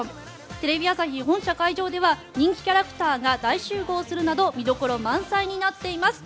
テレビ朝日本社会場では人気キャラクターが大集合するなど見どころ満載になっています。